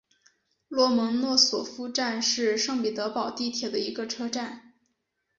洛蒙诺索夫站是圣彼得堡地铁的一个车站。